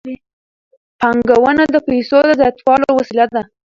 پانګونه د پیسو د زیاتولو وسیله ده.